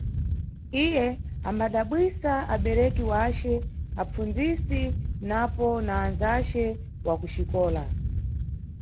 Iye ambadabwisa abereki wace, apfundzisi napo na andzace wa kuxikola.